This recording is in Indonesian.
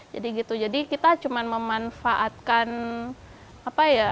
jadi gitu jadi kita cuma memanfaatkan apa ya